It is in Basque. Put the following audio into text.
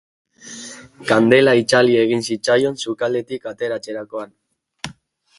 Kandela itzali egin zitzaion sukaldetik ateratzerakoan.